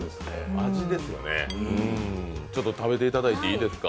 味ですよね、ちょっと食べていただいていいですか。